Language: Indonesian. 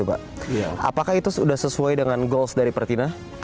apakah itu sudah sesuai dengan goals dari pertina